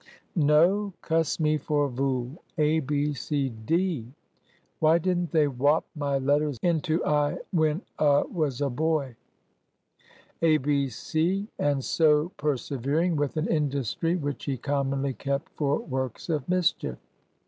No! Cuss me for a vool! A B C D. Why didn't they whop my letters into I when a was a boy? A B C"—and so persevering with an industry which he commonly kept for works of mischief.